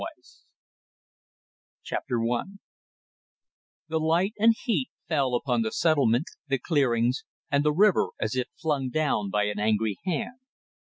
PART II CHAPTER ONE The light and heat fell upon the settlement, the clearings, and the river as if flung down by an angry hand.